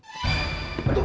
bisa bisa jodohnya jauh